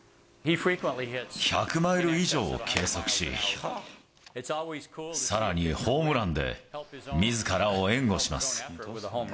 １００マイル以上を計測し、さらに、ホームランでみずからを援護します。